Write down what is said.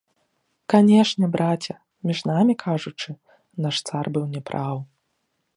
Канешне, браце, між намі кажучы, наш цар быў не праў.